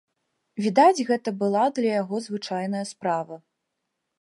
Відаць, гэта была для яго звычайная справа.